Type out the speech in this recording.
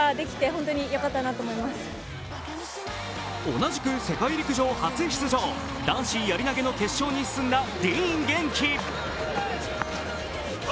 同じく世界陸上初出場、男子やり投の決勝に進んだディーン元気。